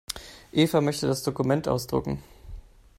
Eva möchte das Dokument ausdrucken.